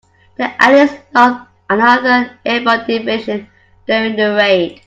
The allies lost another airborne division during the raid.